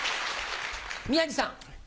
宮治さん。